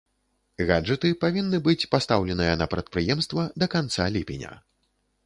Гаджэты павінны быць пастаўленыя на прадпрыемства да канца ліпеня.